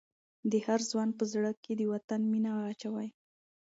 د هر ځوان په زړه کې د وطن مینه واچوئ.